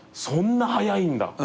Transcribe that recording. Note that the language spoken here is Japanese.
そんな早いんだ。